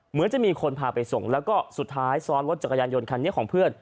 เหมือนจะมีคนพาไปส่งแล้วก็สุดท้ายซ้อนรถจักรยานยนต์คันนี้ของเพื่อน